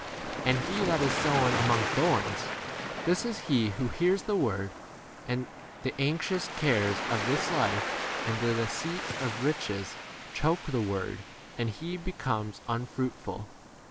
And he that is sown among thorns — this is he who hears the word, and the anxious cares of this life* and the deceit of riches choke the word and he x 23 becomes unfruitful.